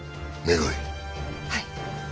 はい。